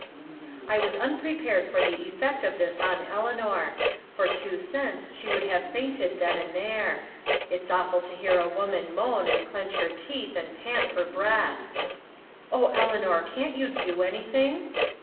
I was unprepared for the effect of this on Eleanor. For two cents she would have fainted then and there. It's awful to hear a woman moan, and clench her teeth, and pant for breath. "Oh, Eleanor, can't you do anything?"